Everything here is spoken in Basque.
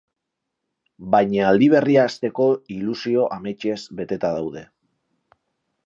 Baina aldi berria hasteko ilusio ametsez beteta daude.